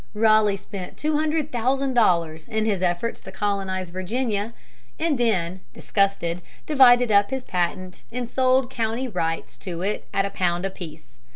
Raleigh spent two hundred thousand dollars in his efforts to colonize Virginia, and then, disgusted, divided up his patent and sold county rights to it at a pound apiece.